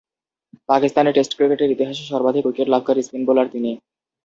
পাকিস্তানের টেস্ট ক্রিকেটের ইতিহাসে সর্বাধিক উইকেট লাভকারী স্পিন বোলার তিনি।